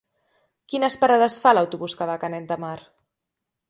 Quines parades fa l'autobús que va a Canet de Mar?